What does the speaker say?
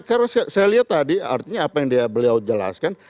karena saya lihat tadi artinya apa yang beliau jelaskan